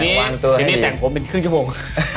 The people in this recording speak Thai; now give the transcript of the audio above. เดี๋ยวนี้แต่งผมเป็นครึ่งชั่วโมง